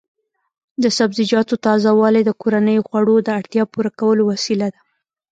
د سبزیجاتو تازه والي د کورنیو خوړو د اړتیا پوره کولو وسیله ده.